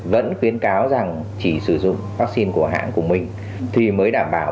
vẫn khuyến cáo rằng chỉ sử dụng vaccine của hãng của mình thì mới đảm bảo